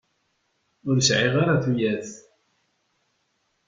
Ur sεiɣ ara tuyat.